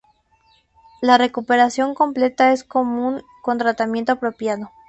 La recuperación completa es común con tratamiento apropiado.